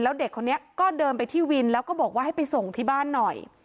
แล้วเด็กคนนี้ก็เดินไปที่วินแล้วก็บอกว่าให้ไปส่งที่บ้านหน่อย